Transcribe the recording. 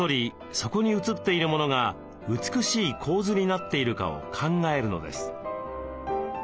そこに写っているモノが美しい構図になっているかを考えるのです。